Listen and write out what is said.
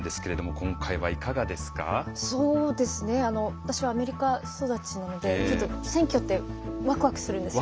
私はアメリカ育ちなので選挙ってワクワクするんですよ。